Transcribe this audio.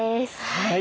はい。